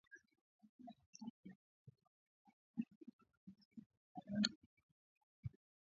katika nchi ya tatu kuliko kuwasaidia kurejea kupitia mpaka wa Thailand-Myanmar kisheria alisema